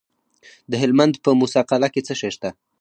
د هلمند په موسی قلعه کې څه شی شته؟